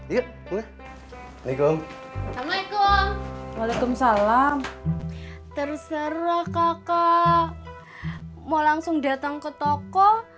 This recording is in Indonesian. ya udah alaikum alaikum waalaikumsalam terserah kakak mau langsung datang ke toko